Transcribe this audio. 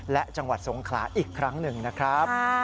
และจังหวัดสงขลาอีกครั้งหนึ่งนะครับ